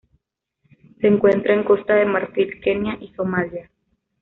Se encuentra en Costa de Marfil, Kenia y Somalia.